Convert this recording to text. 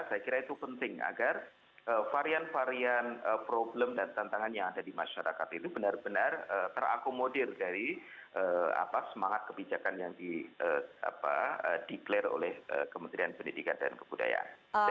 saya kira itu penting agar varian varian problem dan tantangan yang ada di masyarakat itu benar benar terakomodir dari semangat kebijakan yang di declare oleh kementerian pendidikan dan kebudayaan